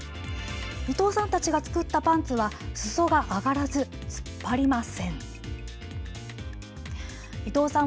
伊藤さんたちが作ったパンツは裾が上がらず、突っ張りません。